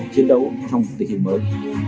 chiến đấu trong tình hình mới